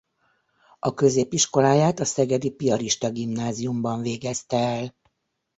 A középiskoláját a szegedi piarista gimnáziumban végezte el.